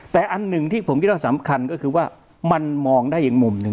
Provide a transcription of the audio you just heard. แต่อันนึงที่ผมสำคัญก็คือว่ามันมองได้อย่างมุมหนึ่ง